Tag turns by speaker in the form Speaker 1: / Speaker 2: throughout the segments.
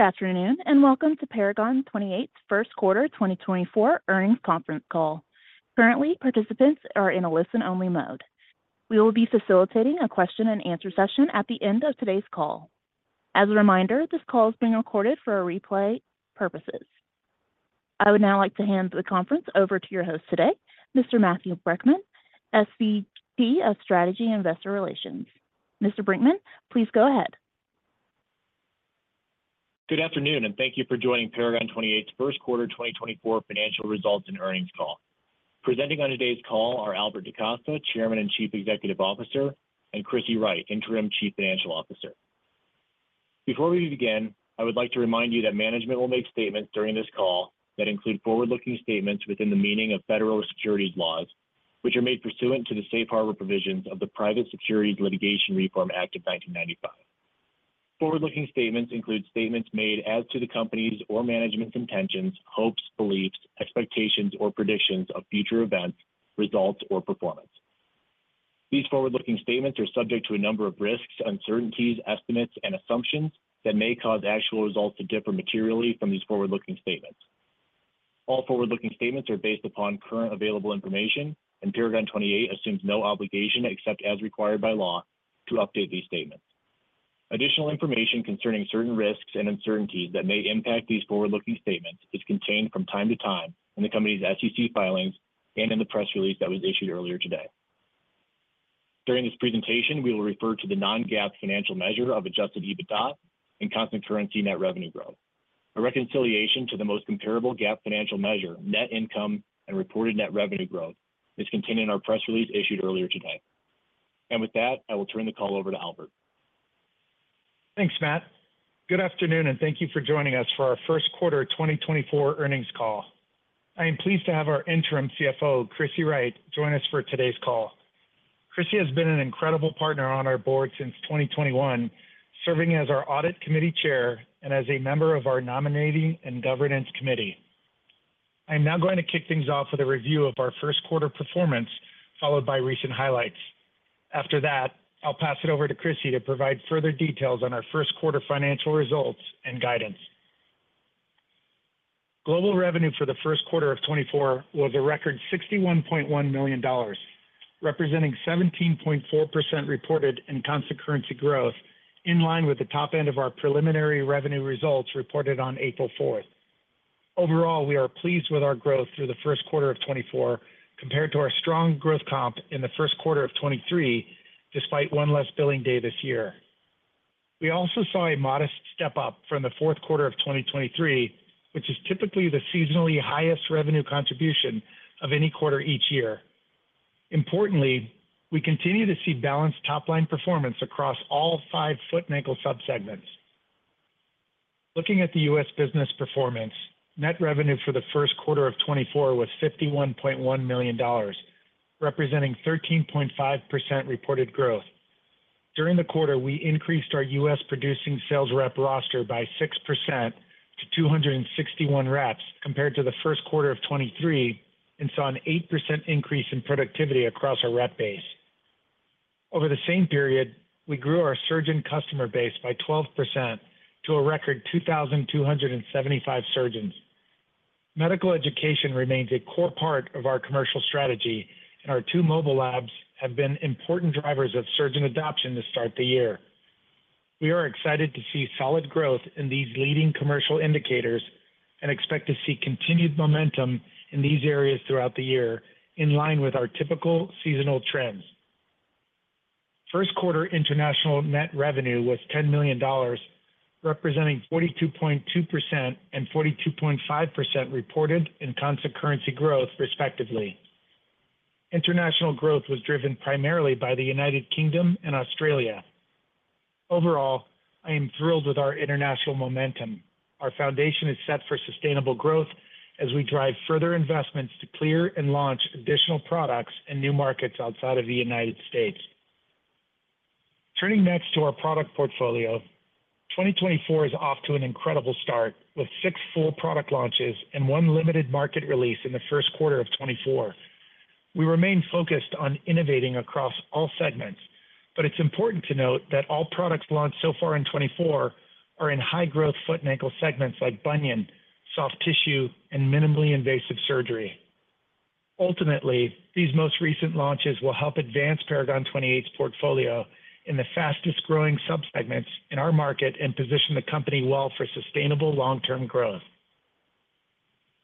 Speaker 1: Good afternoon and welcome to Paragon 28's first quarter 2024 earnings conference call. Currently, participants are in a listen-only mode. We will be facilitating a question-and-answer session at the end of today's call. As a reminder, this call is being recorded for replay purposes. I would now like to hand the conference over to your host today, Mr. Matthew Brinckman, SVP of Strategy and Investor Relations. Mr. Brinckman, please go ahead.
Speaker 2: Good afternoon, and thank you for joining Paragon 28's first quarter 2024 financial results and earnings call. Presenting on today's call are Albert DaCosta, Chairman and Chief Executive Officer, and Chris Wright, Interim Chief Financial Officer. Before we begin, I would like to remind you that management will make statements during this call that include forward-looking statements within the meaning of federal securities laws, which are made pursuant to the Safe Harbor provisions of the Private Securities Litigation Reform Act of 1995. Forward-looking statements include statements made as to the company's or management's intentions, hopes, beliefs, expectations, or predictions of future events, results, or performance. These forward-looking statements are subject to a number of risks, uncertainties, estimates, and assumptions that may cause actual results to differ materially from these forward-looking statements. All forward-looking statements are based upon current available information, and Paragon 28 assumes no obligation except as required by law to update these statements. Additional information concerning certain risks and uncertainties that may impact these forward-looking statements is contained from time to time in the company's SEC filings and in the press release that was issued earlier today. During this presentation, we will refer to the non-GAAP financial measure of Adjusted EBITDA and constant currency net revenue growth. A reconciliation to the most comparable GAAP financial measure, net income, and reported net revenue growth is contained in our press release issued earlier today. With that, I will turn the call over to Albert.
Speaker 3: Thanks, Matt. Good afternoon, and thank you for joining us for our first quarter 2024 earnings call. I am pleased to have our interim CFO, Chris Wright, join us for today's call. Chris has been an incredible partner on our board since 2021, serving as our audit committee chair and as a member of our nominating and governance committee. I am now going to kick things off with a review of our first quarter performance, followed by recent highlights. After that, I'll pass it over to Chris to provide further details on our first quarter financial results and guidance. Global revenue for the first quarter of 2024 was a record $61.1 million, representing 17.4% reported in constant currency growth, in line with the top end of our preliminary revenue results reported on April 4th. Overall, we are pleased with our growth through the first quarter of 2024 compared to our strong growth comp in the first quarter of 2023, despite 1 less billing day this year. We also saw a modest step up from the fourth quarter of 2023, which is typically the seasonally highest revenue contribution of any quarter each year. Importantly, we continue to see balanced top-line performance across all five foot and ankle subsegments. Looking at the U.S. business performance, net revenue for the first quarter of 2024 was $51.1 million, representing 13.5% reported growth. During the quarter, we increased our U.S. producing sales rep roster by 6% to 261 reps compared to the first quarter of 2023 and saw an 8% increase in productivity across our rep base. Over the same period, we grew our surgeon customer base by 12% to a record 2,275 surgeons. Medical education remains a core part of our commercial strategy, and our two mobile labs have been important drivers of surgeon adoption to start the year. We are excited to see solid growth in these leading commercial indicators and expect to see continued momentum in these areas throughout the year, in line with our typical seasonal trends. First quarter international net revenue was $10 million, representing 42.2% and 42.5% reported in constant currency growth, respectively. International growth was driven primarily by the United Kingdom and Australia. Overall, I am thrilled with our international momentum. Our foundation is set for sustainable growth as we drive further investments to clear and launch additional products in new markets outside of the United States. Turning next to our product portfolio, 2024 is off to an incredible start with six full product launches and one limited market release in the first quarter of 2024. We remain focused on innovating across all segments, but it's important to note that all products launched so far in 2024 are in high-growth foot and ankle segments like bunion, soft tissue, and minimally invasive surgery. Ultimately, these most recent launches will help advance Paragon 28's portfolio in the fastest-growing subsegments in our market and position the company well for sustainable long-term growth.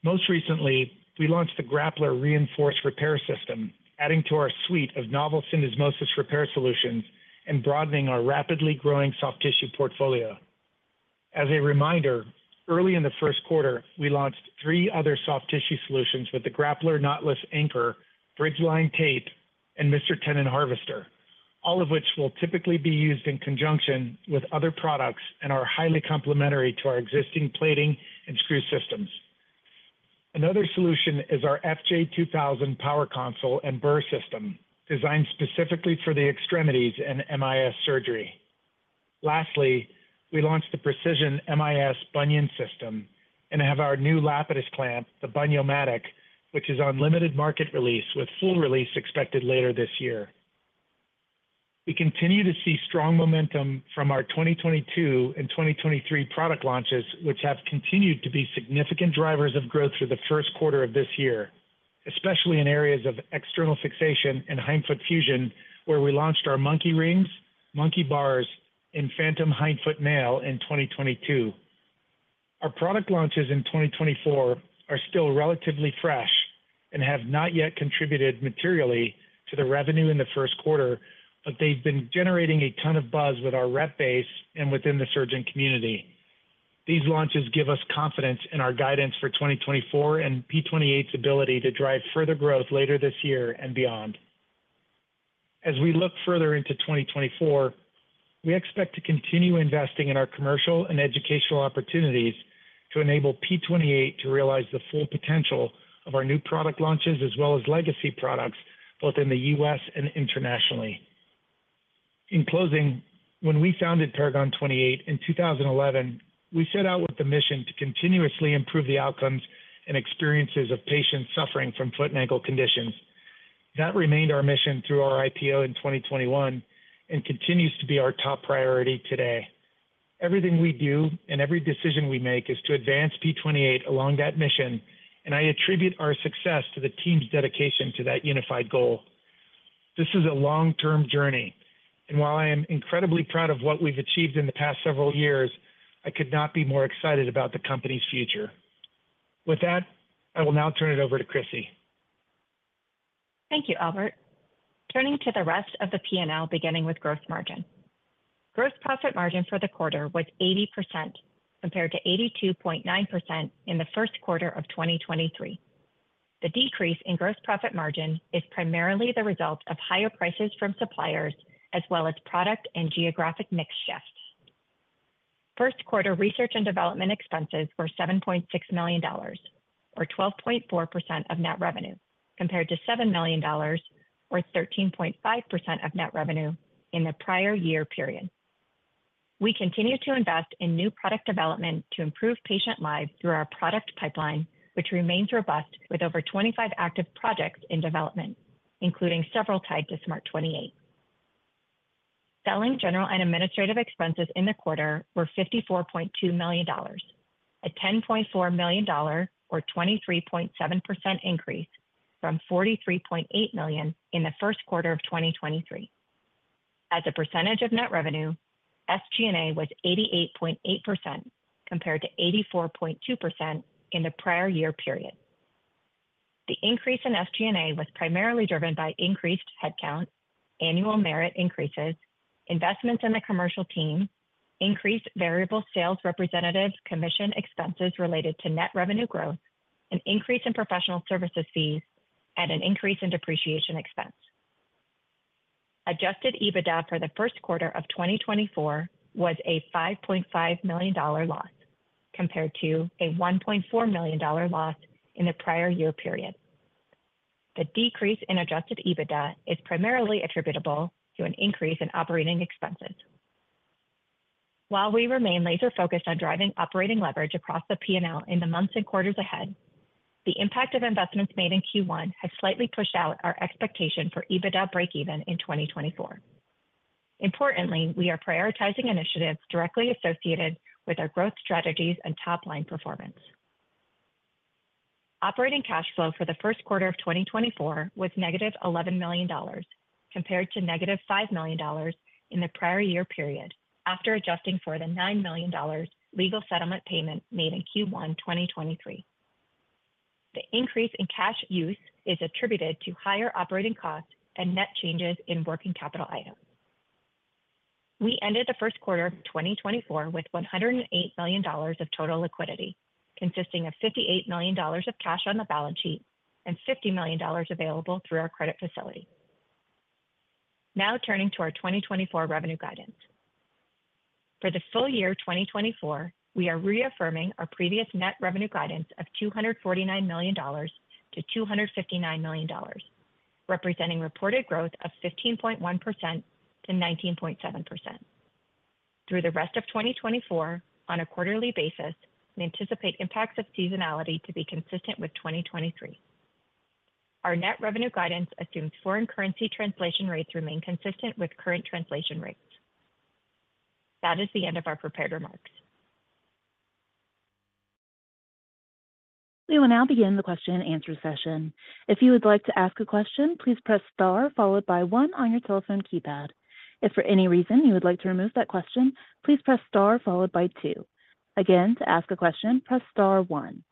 Speaker 3: Most recently, we launched the Grappler Suture Anchor System, adding to our suite of novel syndesmosis repair solutions and broadening our rapidly growing soft tissue portfolio. As a reminder, early in the first quarter, we launched three other soft tissue solutions with the Grappler Knotless Anchor, Bridgeline Tape, and Mister Tendon Harvester System, all of which will typically be used in conjunction with other products and are highly complementary to our existing plating and screw systems. Another solution is our FJ2000™ Power Console and Burr System, designed specifically for the extremities and MIS surgery. Lastly, we launched the Precision® MIS Bunion System and have our new Lapidus clamp, the Bun-yo-matic™, which is on limited market release with full release expected later this year. We continue to see strong momentum from our 2022 and 2023 product launches, which have continued to be significant drivers of growth through the first quarter of this year, especially in areas of external fixation and hindfoot fusion, where we launched our Monkey Rings™, Monkey Bars™, and Phantom® Hindfoot Nail in 2022. Our product launches in 2024 are still relatively fresh and have not yet contributed materially to the revenue in the first quarter, but they've been generating a ton of buzz with our rep base and within the surgeon community. These launches give us confidence in our guidance for 2024 and P28's ability to drive further growth later this year and beyond. As we look further into 2024, we expect to continue investing in our commercial and educational opportunities to enable P28 to realize the full potential of our new product launches as well as legacy products, both in the U.S. and internationally. In closing, when we founded Paragon 28 in 2011, we set out with the mission to continuously improve the outcomes and experiences of patients suffering from foot and ankle conditions. That remained our mission through our IPO in 2021 and continues to be our top priority today. Everything we do and every decision we make is to advance P28 along that mission, and I attribute our success to the team's dedication to that unified goal. This is a long-term journey, and while I am incredibly proud of what we've achieved in the past several years, I could not be more excited about the company's future. With that, I will now turn it over to Chris.
Speaker 4: Thank you, Albert. Turning to the rest of the P&L, beginning with gross margin. Gross profit margin for the quarter was 80% compared to 82.9% in the first quarter of 2023. The decrease in gross profit margin is primarily the result of higher prices from suppliers as well as product and geographic mix shifts. First quarter research and development expenses were $7.6 million, or 12.4% of net revenue, compared to $7 million, or 13.5% of net revenue, in the prior-year period. We continue to invest in new product development to improve patient lives through our product pipeline, which remains robust with over 25 active projects in development, including several tied to SMART 28. Selling, general, and administrative expenses in the quarter were $54.2 million, a $10.4 million or 23.7% increase from $43.8 million in the first quarter of 2023. As a percentage of net revenue, SG&A was 88.8% compared to 84.2% in the prior-year period. The increase in SG&A was primarily driven by increased headcount, annual merit increases, investments in the commercial team, increased variable sales representative commission expenses related to net revenue growth, an increase in professional services fees, and an increase in depreciation expense. Adjusted EBITDA for the first quarter of 2024 was a $5.5 million loss compared to a $1.4 million loss in the prior-year period. The decrease in adjusted EBITDA is primarily attributable to an increase in operating expenses. While we remain laser-focused on driving operating leverage across the P&L in the months and quarters ahead, the impact of investments made in Q1 has slightly pushed out our expectation for EBITDA break-even in 2024. Importantly, we are prioritizing initiatives directly associated with our growth strategies and top-line performance. Operating cash flow for the first quarter of 2024 was negative $11 million compared to -$5 million in the prior-year period after adjusting for the $9 million legal settlement payment made in Q1 2023. The increase in cash use is attributed to higher operating costs and net changes in working capital items. We ended the first quarter of 2024 with $108 million of total liquidity, consisting of $58 million of cash on the balance sheet and $50 million available through our credit facility. Now turning to our 2024 revenue guidance. For the full-year 2024, we are reaffirming our previous net revenue guidance of $249 million-$259 million, representing reported growth of 15.1%-19.7%. Through the rest of 2024, on a quarterly basis, we anticipate impacts of seasonality to be consistent with 2023. Our net revenue guidance assumes foreign currency translation rates remain consistent with current translation rates. That is the end of our prepared remarks.
Speaker 1: We will now begin the question and answer session. If you would like to ask a question, please press star followed by one on your telephone keypad. If for any reason you would like to remove that question, please press star followed by two Again, to ask a question, press star one.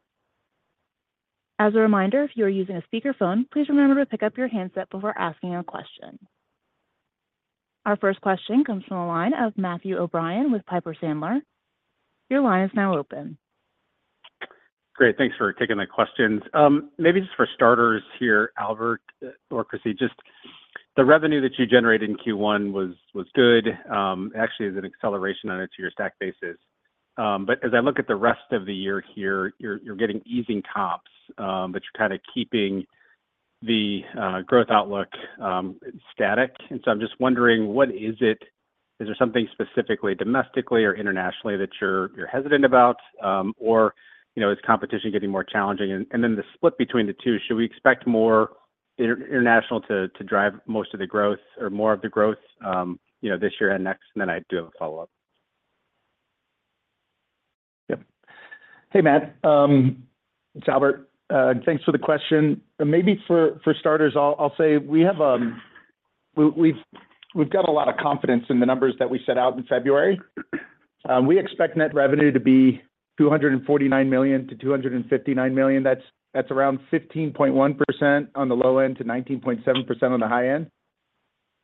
Speaker 1: As a reminder, if you are using a speakerphone, please remember to pick up your handset before asking a question. Our first question comes from the line of Matthew O'Brien with Piper Sandler. Your line is now open.
Speaker 5: Great. Thanks for taking the questions. Maybe just for starters here, Albert or Chris, just the revenue that you generated in Q1 was good. It actually is an acceleration on a two-year stack basis. But as I look at the rest of the year here, you're getting easing comps, but you're kind of keeping the growth outlook static. And so I'm just wondering, what is it? Is there something specifically domestically or internationally that you're hesitant about, or is competition getting more challenging? And then the split between the two, should we expect more international to drive most of the growth or more of the growth this year and next? And then I do have a follow-up.
Speaker 3: Yep. Hey, Matt. It's Albert. Thanks for the question. Maybe for starters, I'll say we've got a lot of confidence in the numbers that we set out in February. We expect net revenue to be $249 million-$259 million. That's around 15.1%-19.7% on the low end to the high end.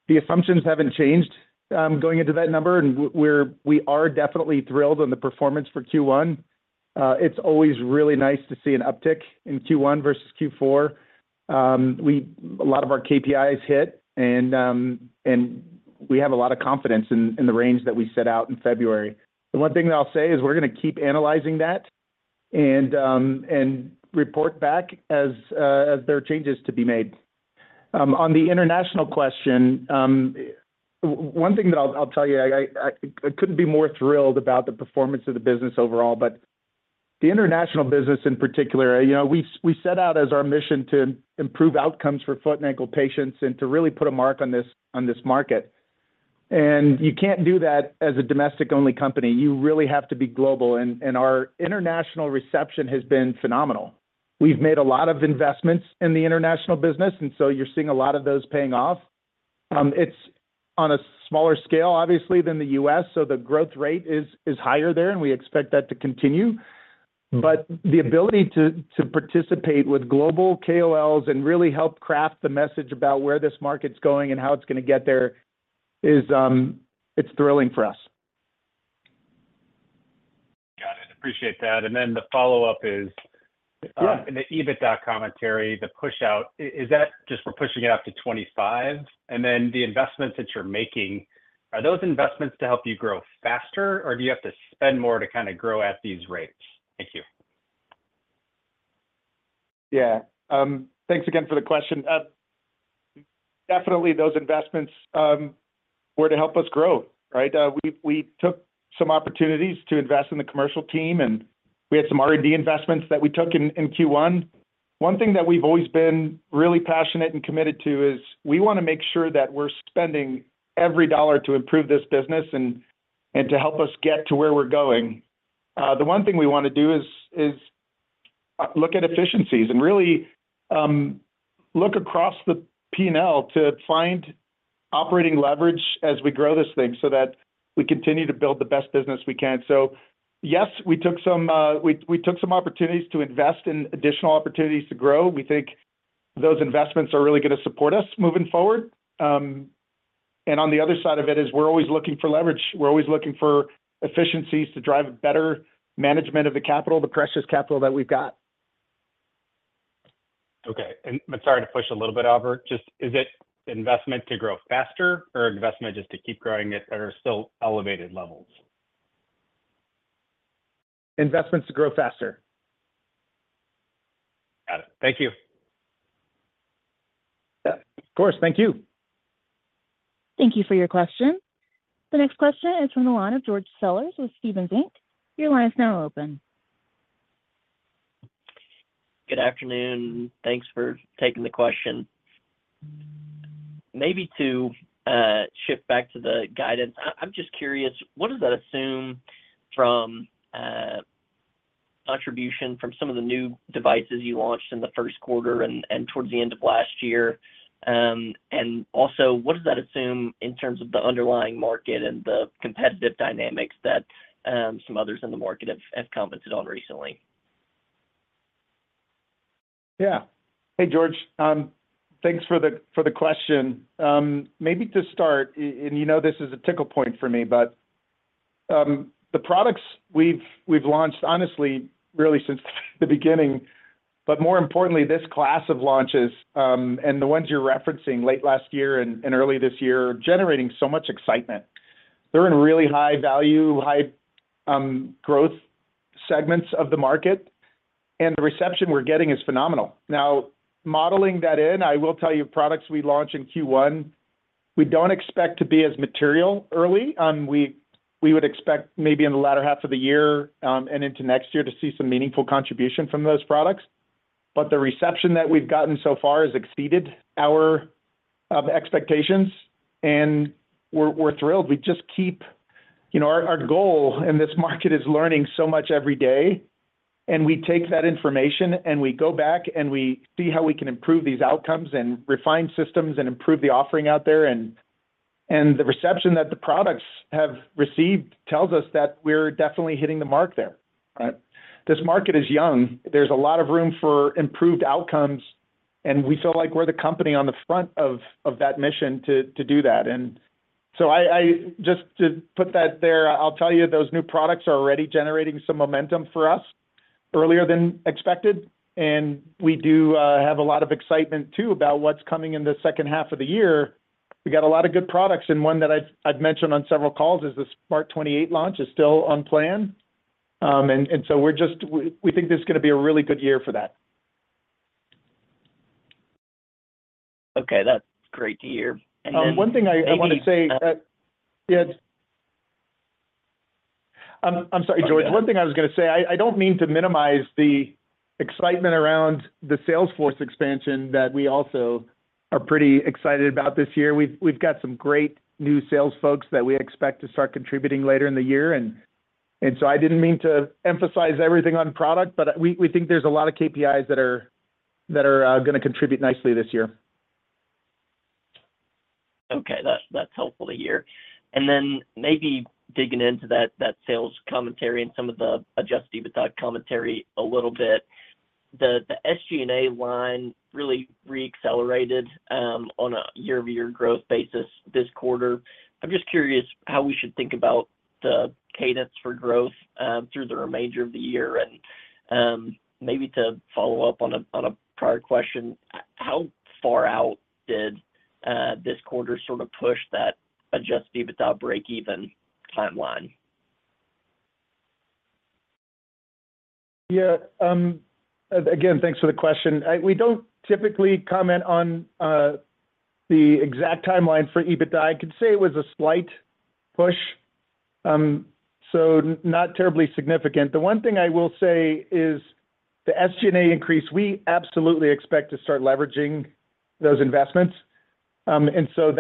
Speaker 3: The assumptions haven't changed going into that number, and we are definitely thrilled on the performance for Q1. It's always really nice to see an uptick in Q1 versus Q4. A lot of our KPIs hit, and we have a lot of confidence in the range that we set out in February. The one thing that I'll say is we're going to keep analyzing that and report back as there are changes to be made. On the international question, one thing that I'll tell you, I couldn't be more thrilled about the performance of the business overall, but the international business in particular, we set out as our mission to improve outcomes for foot and ankle patients and to really put a mark on this market. And you can't do that as a domestic-only company. You really have to be global. And our international reception has been phenomenal. We've made a lot of investments in the international business, and so you're seeing a lot of those paying off. It's on a smaller scale, obviously, than the U.S., so the growth rate is higher there, and we expect that to continue. But the ability to participate with global KOLs and really help craft the message about where this market's going and how it's going to get there is thrilling for us.
Speaker 5: Got it. Appreciate that. And then the follow-up is in the EBITDA commentary, the push-out, is that just for pushing it up to 25? And then the investments that you're making, are those investments to help you grow faster, or do you have to spend more to kind of grow at these rates? Thank you.
Speaker 3: Yeah. Thanks again for the question. Definitely, those investments were to help us grow, right? We took some opportunities to invest in the commercial team, and we had some R&D investments that we took in Q1. One thing that we've always been really passionate and committed to is we want to make sure that we're spending every dollar to improve this business and to help us get to where we're going. The one thing we want to do is look at efficiencies and really look across the P&L to find operating leverage as we grow this thing so that we continue to build the best business we can. So yes, we took some opportunities to invest in additional opportunities to grow. We think those investments are really going to support us moving forward. And on the other side of it is we're always looking for leverage. We're always looking for efficiencies to drive better management of the capital, the precious capital that we've got.
Speaker 5: Okay. I'm sorry to push a little bit, Albert. Just, is it investment to grow faster or investment just to keep growing at still elevated levels?
Speaker 3: Investments to grow faster.
Speaker 5: Got it. Thank you.
Speaker 3: Of course. Thank you.
Speaker 1: Thank you for your question. The next question is from the line of George Sellers with Stephens Inc. Your line is now open.
Speaker 6: Good afternoon. Thanks for taking the question. Maybe to shift back to the guidance, I'm just curious, what does that assume from contribution from some of the new devices you launched in the first quarter and towards the end of last year? And also, what does that assume in terms of the underlying market and the competitive dynamics that some others in the market have commented on recently?
Speaker 3: Yeah. Hey, George. Thanks for the question. Maybe to start, and this is a tickle point for me, but the products we've launched, honestly, really since the beginning, but more importantly, this class of launches and the ones you're referencing late last year and early this year are generating so much excitement. They're in really high-value, high-growth segments of the market, and the reception we're getting is phenomenal. Now, modeling that in, I will tell you, products we launch in Q1, we don't expect to be as material early. We would expect maybe in the latter half of the year and into next year to see some meaningful contribution from those products. But the reception that we've gotten so far has exceeded our expectations, and we're thrilled. We just keep our goal in this market is learning so much every day, and we take that information, and we go back, and we see how we can improve these outcomes and refine systems and improve the offering out there. The reception that the products have received tells us that we're definitely hitting the mark there, right? This market is young. There's a lot of room for improved outcomes, and we feel like we're the company on the front of that mission to do that. So just to put that there, I'll tell you, those new products are already generating some momentum for us earlier than expected. We do have a lot of excitement too about what's coming in the second half of the year. We got a lot of good products. One that I've mentioned on several calls is the SMART 28 launch is still on plan. So we think this is going to be a really good year for that.
Speaker 6: Okay. That's great to hear. And then.
Speaker 3: One thing I want to say. Yeah. I'm sorry, George. One thing I was going to say, I don't mean to minimize the excitement around the sales force expansion that we also are pretty excited about this year. We've got some great new sales folks that we expect to start contributing later in the year. And so I didn't mean to emphasize everything on product, but we think there's a lot of KPIs that are going to contribute nicely this year.
Speaker 6: Okay. That's helpful to hear. And then maybe digging into that sales commentary and some of the Adjusted EBITDA commentary a little bit, the SG&A line really reaccelerated on a year-over-year growth basis this quarter. I'm just curious how we should think about the cadence for growth through the remainder of the year. And maybe to follow up on a prior question, how far out did this quarter sort of push that Adjusted EBITDA break-even timeline?
Speaker 3: Yeah. Again, thanks for the question. We don't typically comment on the exact timeline for EBITDA. I could say it was a slight push, so not terribly significant. The one thing I will say is the SG&A increase, we absolutely expect to start leveraging those investments. And so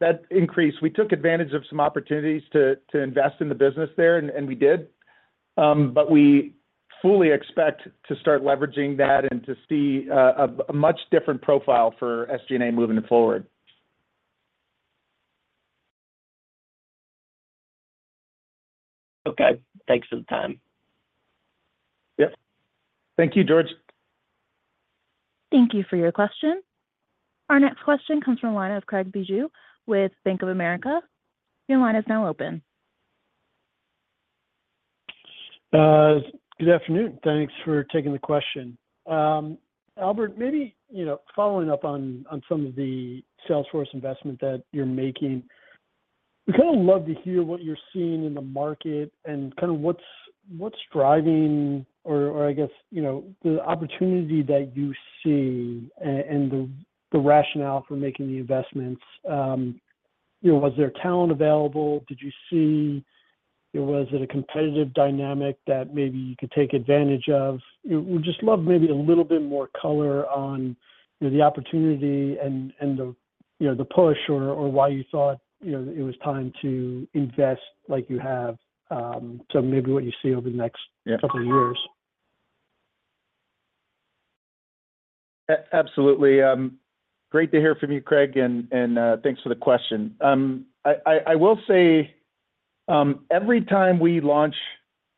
Speaker 3: that increase, we took advantage of some opportunities to invest in the business there, and we did. But we fully expect to start leveraging that and to see a much different profile for SG&A moving forward.
Speaker 6: Okay. Thanks for the time.
Speaker 3: Yep. Thank you, George.
Speaker 1: Thank you for your question. Our next question comes from the line of Craig Bijou with Bank of America. Your line is now open.
Speaker 7: Good afternoon. Thanks for taking the question. Albert, maybe following up on some of the sales force investment that you're making, we kind of love to hear what you're seeing in the market and kind of what's driving, or I guess, the opportunity that you see and the rationale for making the investments. Was there talent available? Did you see was it a competitive dynamic that maybe you could take advantage of? We'd just love maybe a little bit more color on the opportunity and the push or why you thought it was time to invest like you have. So maybe what you see over the next couple of years.
Speaker 3: Absolutely. Great to hear from you, Craig, and thanks for the question. I will say every time we launch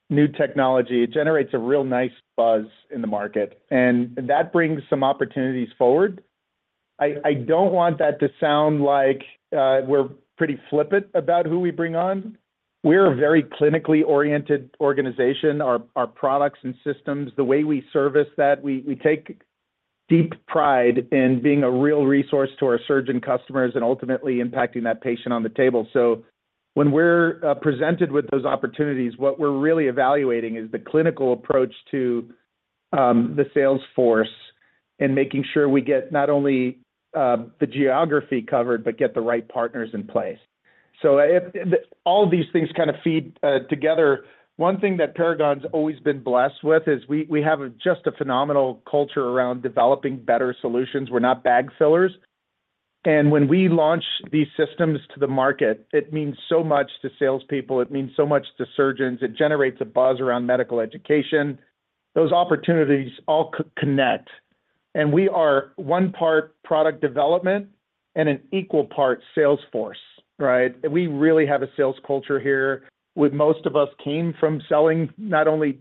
Speaker 3: new technology, it generates a real nice buzz in the market, and that brings some opportunities forward. I don't want that to sound like we're pretty flippant about who we bring on. We're a very clinically oriented organization. Our products and systems, the way we service that, we take deep pride in being a real resource to our surgeon customers and ultimately impacting that patient on the table. So when we're presented with those opportunities, what we're really evaluating is the clinical approach to the sales force and making sure we get not only the geography covered but get the right partners in place. So all of these things kind of feed together. One thing that Paragon's always been blessed with is we have just a phenomenal culture around developing better solutions. We're not bag fillers. And when we launch these systems to the market, it means so much to salespeople. It means so much to surgeons. It generates a buzz around medical education. Those opportunities all connect. And we are one part product development and an equal part sales force, right? We really have a sales culture here. Most of us came from selling not only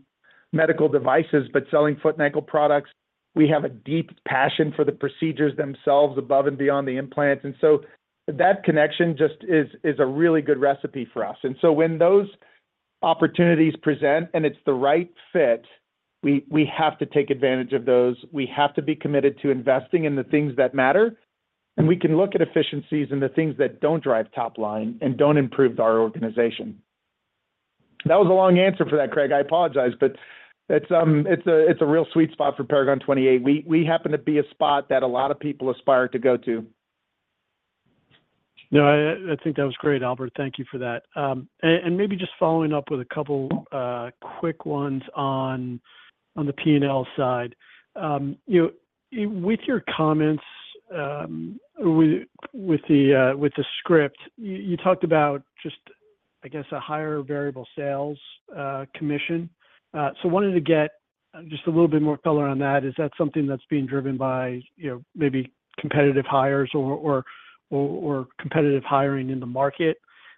Speaker 3: medical devices but selling foot and ankle products. We have a deep passion for the procedures themselves above and beyond the implants. And so that connection just is a really good recipe for us. And so when those opportunities present and it's the right fit, we have to take advantage of those. We have to be committed to investing in the things that matter. And we can look at efficiencies in the things that don't drive top line and don't improve our organization. That was a long answer for that, Craig. I apologize, but it's a real sweet spot for Paragon 28. We happen to be a spot that a lot of people aspire to go to.
Speaker 7: No, I think that was great, Albert. Thank you for that. And maybe just following up with a couple quick ones on the P&L side. With your comments with the script, you talked about just, I guess, a higher variable sales commission. So I wanted to get just a little bit more color on that. Is that something that's being driven by maybe competitive hires or competitive hiring in the market?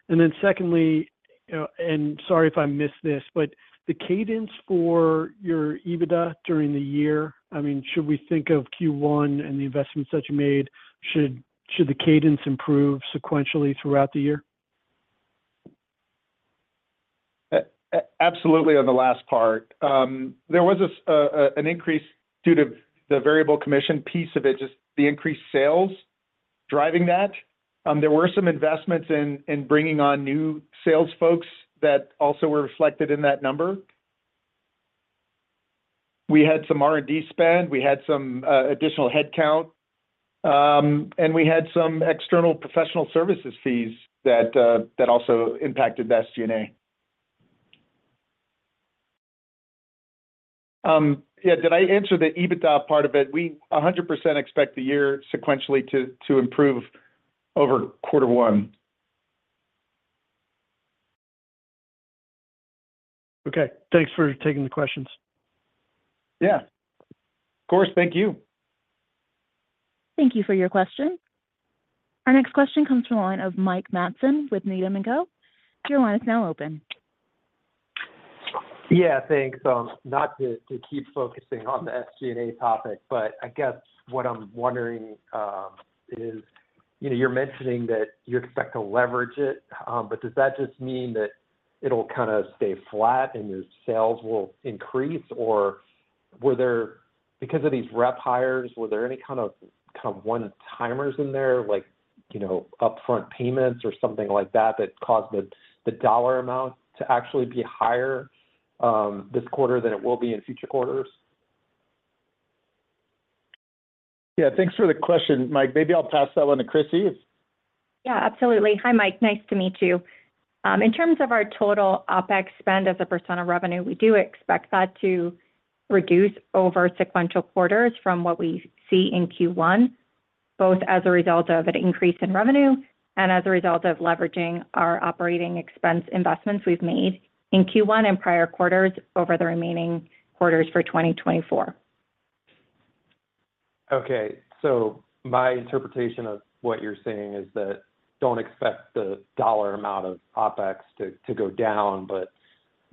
Speaker 7: And then secondly, and sorry if I missed this, but the cadence for your EBITDA during the year, I mean, should we think of Q1 and the investments that you made, should the cadence improve sequentially throughout the year?
Speaker 3: Absolutely on the last part. There was an increase due to the variable commission piece of it, just the increased sales driving that. There were some investments in bringing on new sales folks that also were reflected in that number. We had some R&D spend. We had some additional headcount. And we had some external professional services fees that also impacted the SG&A. Yeah. Did I answer the EBITDA part of it? We 100% expect the year sequentially to improve over quarter one.
Speaker 7: Okay. Thanks for taking the questions.
Speaker 3: Yeah. Of course. Thank you.
Speaker 1: Thank you for your question. Our next question comes from the line of Mike Matson with Needham & Co. Your line is now open.
Speaker 8: Yeah. Thanks. Not to keep focusing on the SG&A topic, but I guess what I'm wondering is you're mentioning that you expect to leverage it, but does that just mean that it'll kind of stay flat and your sales will increase? Or because of these rep hires, were there any kind of one-timers in there, like upfront payments or something like that that caused the dollar amount to actually be higher this quarter than it will be in future quarters?
Speaker 3: Yeah. Thanks for the question, Mike. Maybe I'll pass that one to Chris.
Speaker 4: Yeah. Absolutely. Hi, Mike. Nice to meet you. In terms of our total OpEx spend as a percent of revenue, we do expect that to reduce over sequential quarters from what we see in Q1, both as a result of an increase in revenue and as a result of leveraging our operating expense investments we've made in Q1 and prior quarters for 2024.
Speaker 8: Okay. So my interpretation of what you're saying is that don't expect the dollar amount of OpEx to go down, but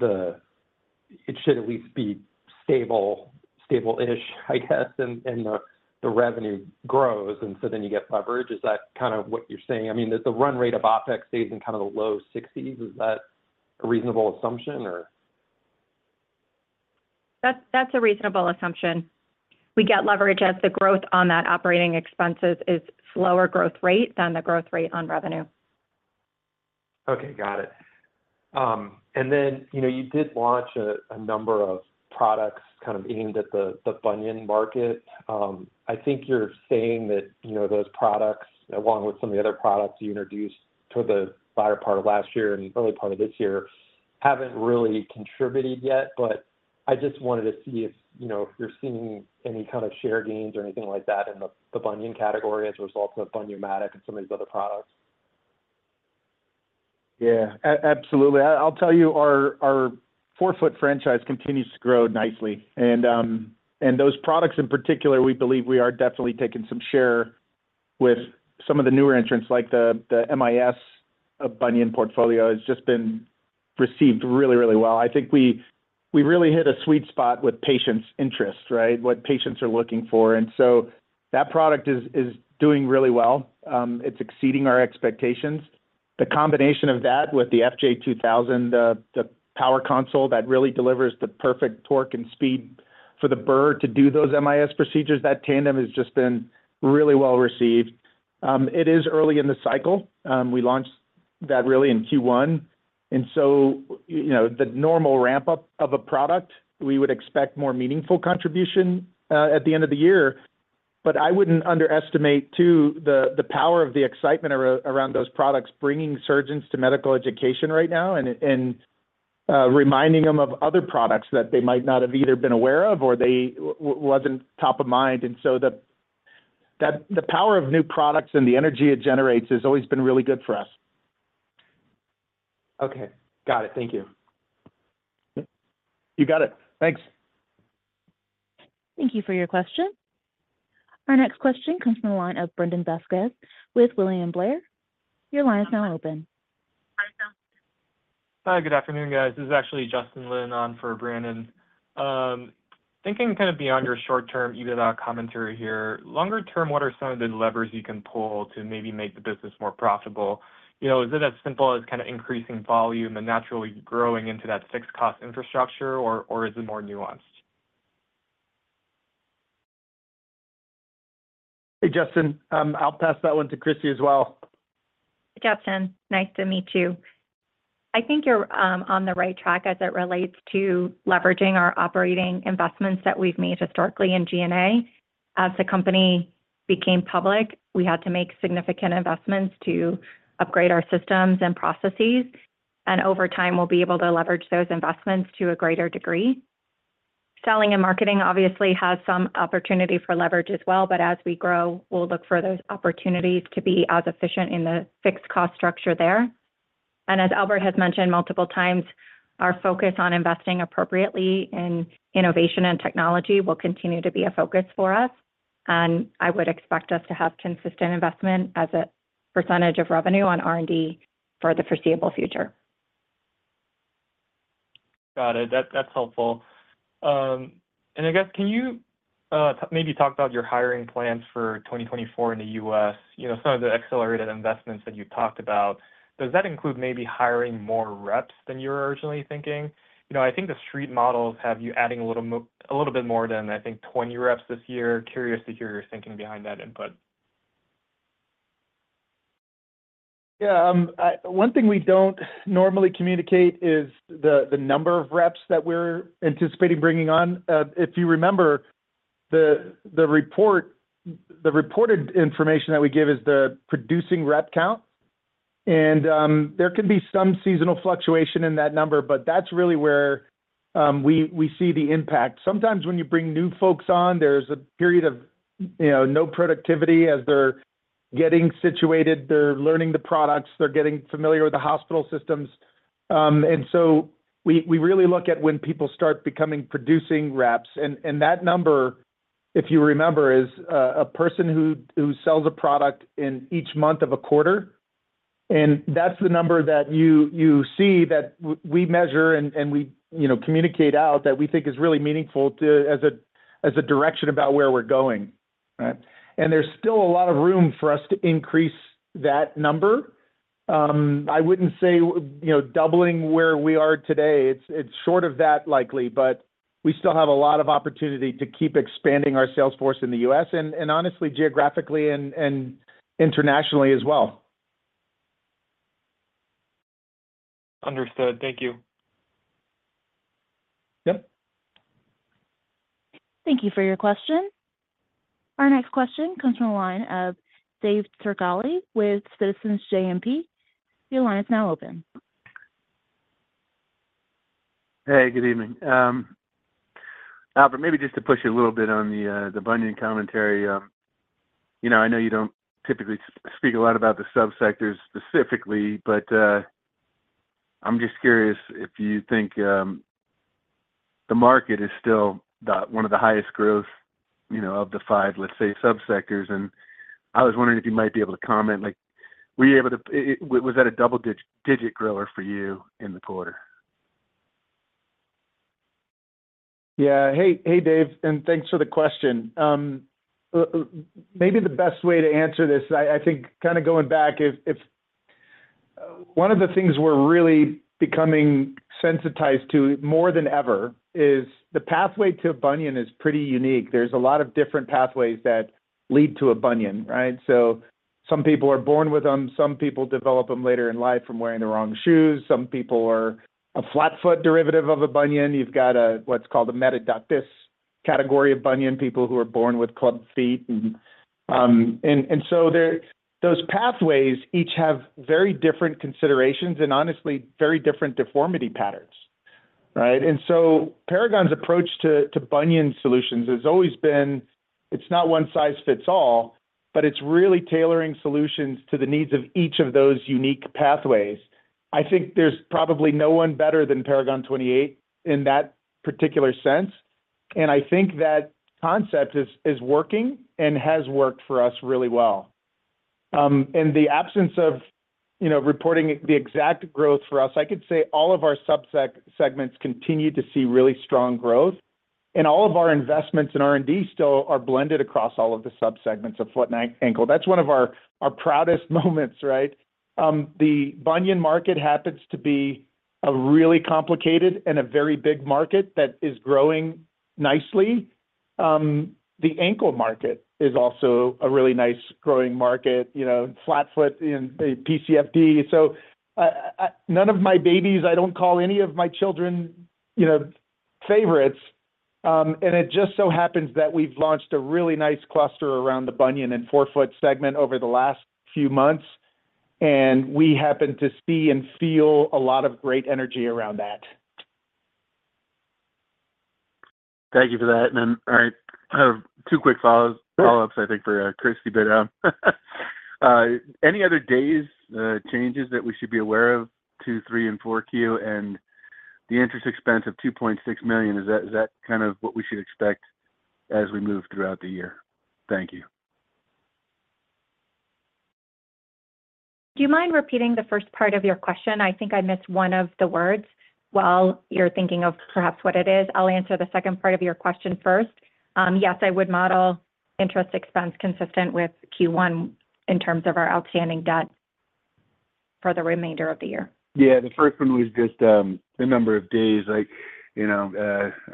Speaker 8: it should at least be stable-ish, I guess, and the revenue grows, and so then you get leverage. Is that kind of what you're saying? I mean, the run rate of OpEx stays in kind of the low 60s. Is that a reasonable assumption, or?
Speaker 4: That's a reasonable assumption. We get leverage as the growth on that operating expenses is slower growth rate than the growth rate on revenue.
Speaker 8: Okay. Got it. And then you did launch a number of products kind of aimed at the bunion market. I think you're saying that those products, along with some of the other products you introduced for the latter part of last year and early part of this year, haven't really contributed yet. But I just wanted to see if you're seeing any kind of share gains or anything like that in the bunion category as a result of Bun-yo-matic and some of these other products?
Speaker 3: Yeah. Absolutely. I'll tell you, our forefoot franchise continues to grow nicely. And those products in particular, we believe we are definitely taking some share with some of the newer entrants, like the MIS Bunion portfolio has just been received really, really well. I think we really hit a sweet spot with patients' interests, right, what patients are looking for. And so that product is doing really well. It's exceeding our expectations. The combination of that with the FJ2000, the power console that really delivers the perfect torque and speed for the burr to do those MIS procedures, that tandem has just been really well received. It is early in the cycle. We launched that really in Q1. And so the normal ramp-up of a product, we would expect more meaningful contribution at the end of the year. But I wouldn't underestimate too the power of the excitement around those products bringing surgeons to medical education right now and reminding them of other products that they might not have either been aware of or wasn't top of mind. And so the power of new products and the energy it generates has always been really good for us.
Speaker 8: Okay. Got it. Thank you.
Speaker 3: You got it. Thanks.
Speaker 1: Thank you for your question. Our next question comes from the line of Brandon Vazquez with William Blair. Your line is now open.
Speaker 9: Hi, sir. Hi. Good afternoon, guys. This is actually Justin Lin on for Brandon. Thinking kind of beyond your short-term EBITDA commentary here, longer term, what are some of the levers you can pull to maybe make the business more profitable? Is it as simple as kind of increasing volume and naturally growing into that fixed-cost infrastructure, or is it more nuanced?
Speaker 3: Hey, Justin. I'll pass that one to Chris as well.
Speaker 4: Justin. Nice to meet you. I think you're on the right track as it relates to leveraging our operating investments that we've made historically in G&A. As the company became public, we had to make significant investments to upgrade our systems and processes. Over time, we'll be able to leverage those investments to a greater degree. Selling and marketing, obviously, has some opportunity for leverage as well. As we grow, we'll look for those opportunities to be as efficient in the fixed-cost structure there. As Albert has mentioned multiple times, our focus on investing appropriately in innovation and technology will continue to be a focus for us. I would expect us to have consistent investment as a percentage of revenue on R&D for the foreseeable future.
Speaker 9: Got it. That's helpful. I guess, can you maybe talk about your hiring plans for 2024 in the U.S., some of the accelerated investments that you've talked about? Does that include maybe hiring more reps than you were originally thinking? I think the street models have you adding a little bit more than, I think, 20 reps this year. Curious to hear your thinking behind that input.
Speaker 3: Yeah. One thing we don't normally communicate is the number of reps that we're anticipating bringing on. If you remember, the reported information that we give is the producing rep count. There can be some seasonal fluctuation in that number, but that's really where we see the impact. Sometimes when you bring new folks on, there's a period of no productivity as they're getting situated. They're learning the products. They're getting familiar with the hospital systems. We really look at when people start becoming producing reps. That number, if you remember, is a person who sells a product in each month of a quarter. That's the number that you see that we measure and we communicate out that we think is really meaningful as a direction about where we're going, right? There's still a lot of room for us to increase that number. I wouldn't say doubling where we are today. It's short of that, likely, but we still have a lot of opportunity to keep expanding our sales force in the U.S. and honestly, geographically and internationally as well.
Speaker 9: Understood. Thank you.
Speaker 3: Yep.
Speaker 1: Thank you for your question. Our next question comes from the line of Dave Turkaly with JMP Securities. Your line is now open.
Speaker 10: Hey. Good evening. Albert, maybe just to push it a little bit on the bunion commentary. I know you don't typically speak a lot about the subsectors specifically, but I'm just curious if you think the market is still one of the highest growth of the five, let's say, subsectors. I was wondering if you might be able to comment. Were you able to was that a double-digit grower for you in the quarter?
Speaker 3: Yeah. Hey, Dave. And thanks for the question. Maybe the best way to answer this, I think kind of going back, one of the things we're really becoming sensitized to more than ever is the pathway to a bunion is pretty unique. There's a lot of different pathways that lead to a bunion, right? So some people are born with them. Some people develop them later in life from wearing the wrong shoes. Some people are a flat-foot derivative of a bunion. You've got what's called a metatarsus adductus category of bunion, people who are born with club feet. And so those pathways each have very different considerations and honestly, very different deformity patterns, right? And so Paragon's approach to bunion solutions has always been it's not one size fits all, but it's really tailoring solutions to the needs of each of those unique pathways. I think there's probably no one better than Paragon 28 in that particular sense. I think that concept is working and has worked for us really well. In the absence of reporting the exact growth for us, I could say all of our subsegments continue to see really strong growth. All of our investments in R&D still are blended across all of the subsegments of foot and ankle. That's one of our proudest moments, right? The bunion market happens to be a really complicated and a very big market that is growing nicely. The ankle market is also a really nice growing market, flatfoot and PCFD. So none of my babies, I don't call any of my children favorites. It just so happens that we've launched a really nice cluster around the bunion and forefoot segment over the last few months. We happen to see and feel a lot of great energy around that.
Speaker 10: Thank you for that. Then, all right, I have two quick follow-ups, I think, for Chris a bit. Any other day-to-day changes that we should be aware of? 2, 3, and 4Q, and the interest expense of $2.6 million, is that kind of what we should expect as we move throughout the year? Thank you.
Speaker 4: Do you mind repeating the first part of your question? I think I missed one of the words while you're thinking of perhaps what it is. I'll answer the second part of your question first. Yes, I would model interest expense consistent with Q1 in terms of our outstanding debt for the remainder of the year.
Speaker 10: Yeah. The first one was just the number of days. I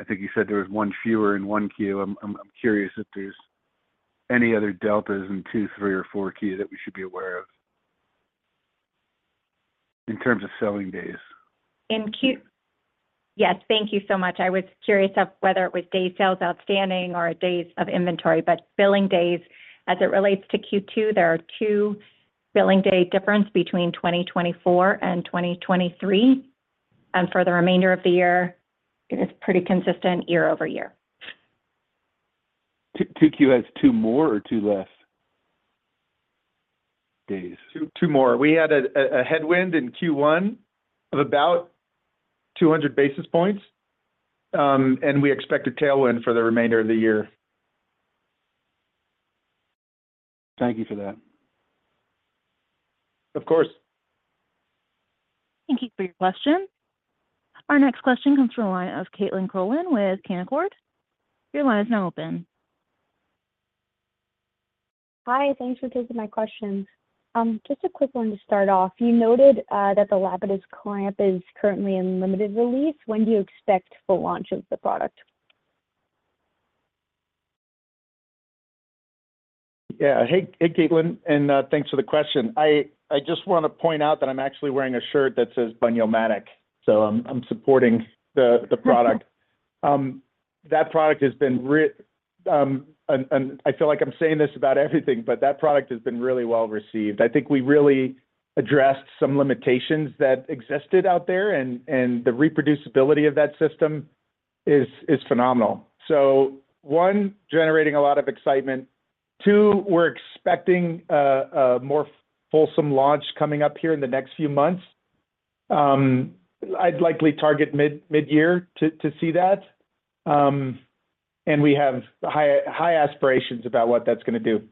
Speaker 10: think you said there was one fewer in 1Q. I'm curious if there's any other deltas in 2, 3, or 4Q that we should be aware of in terms of selling days?
Speaker 4: Yes. Thank you so much. I was curious of whether it was day sales outstanding or days of inventory. But billing days, as it relates to Q2, there are 2 billing day differences between 2024 and 2023. For the remainder of the year, it is pretty consistent year-over-year.
Speaker 10: 2Q has 2 more or 2 less days?
Speaker 3: 2 more. We had a headwind in Q1 of about 200 basis points, and we expect a tailwind for the remainder of the year.
Speaker 10: Thank you for that.
Speaker 3: Of course.
Speaker 1: Thank you for your question. Our next question comes from the line of Caitlin Cronin with Canaccord Genuity. Your line is now open.
Speaker 11: Hi. Thanks for taking my questions. Just a quick one to start off. You noted that the Lapidus clamp is currently in limited release. When do you expect full launch of the product?
Speaker 3: Yeah. Hey, Caitlin. And thanks for the question. I just want to point out that I'm actually wearing a shirt that says Bun-yo-matic. So I'm supporting the product. That product has been I feel like I'm saying this about everything, but that product has been really well received. I think we really addressed some limitations that existed out there, and the reproducibility of that system is phenomenal. So one, generating a lot of excitement. Two, we're expecting a more fulsome launch coming up here in the next few months. I'd likely target mid-year to see that. And we have high aspirations about what that's going to do.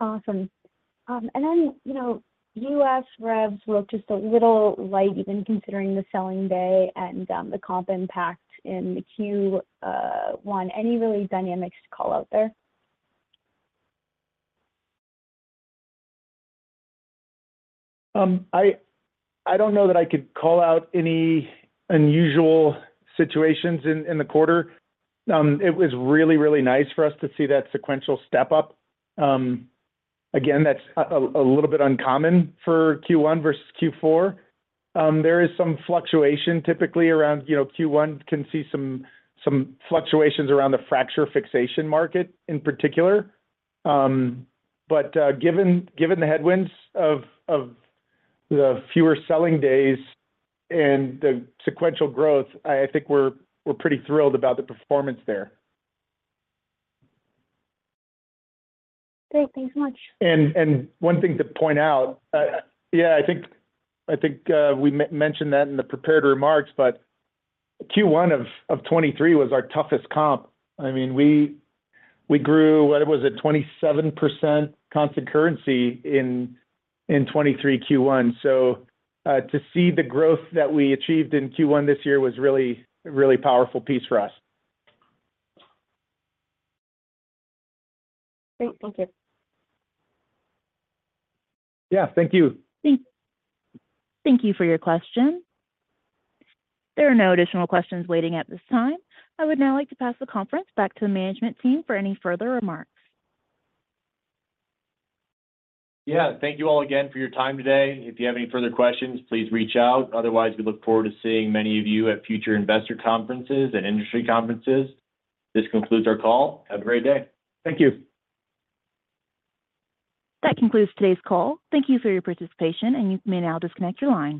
Speaker 11: Awesome. And then U.S. reps look just a little light, even considering the selling day and the comp impact in Q1. Any real dynamics to call out there?
Speaker 3: I don't know that I could call out any unusual situations in the quarter. It was really, really nice for us to see that sequential step-up. Again, that's a little bit uncommon for Q1 versus Q4. There is some fluctuation typically around Q1. You can see some fluctuations around the fracture fixation market in particular. But given the headwinds of the fewer selling days and the sequential growth, I think we're pretty thrilled about the performance there.
Speaker 11: Great. Thanks so much.
Speaker 3: One thing to point out, yeah, I think we mentioned that in the prepared remarks, but Q1 of 2023 was our toughest comp. I mean, we grew what was it? 27% constant currency in 2023 Q1. So to see the growth that we achieved in Q1 this year was really a really powerful piece for us.
Speaker 11: Great. Thank you.
Speaker 3: Yeah. Thank you.
Speaker 1: Thank you for your question. There are no additional questions waiting at this time. I would now like to pass the conference back to the management team for any further remarks.
Speaker 10: Yeah. Thank you all again for your time today. If you have any further questions, please reach out. Otherwise, we look forward to seeing many of you at future investor conferences and industry conferences. This concludes our call. Have a great day.
Speaker 3: Thank you.
Speaker 1: That concludes today's call. Thank you for your participation, and you may now disconnect your line.